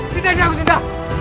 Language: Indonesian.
sinta ini aku sinta